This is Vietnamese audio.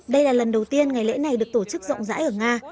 đây là lần đầu tiên ngày lễ này được tổ chức rộng rãi ở nga